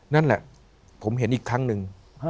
นั่นแหละผมเห็นอีกครั้งหนึ่ง